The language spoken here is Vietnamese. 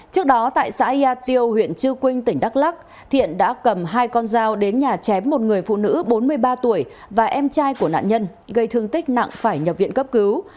trước đó tại xã yà tiêu huyện chư quynh tỉnh đắk lắc thiện đã cầm hai con dao đến nhà chém một người phụ nữ bốn mươi ba tuổi và em trai của nạn nhân gây thương tích nặng phải nhập viện cấp cứu